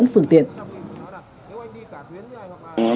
nếu anh đi cả tuyến như ai hoặc ai